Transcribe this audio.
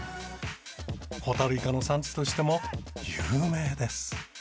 ホタルイカの産地としても有名です。